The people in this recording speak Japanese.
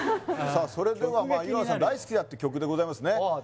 それでは井川さん大好きだって曲でございますね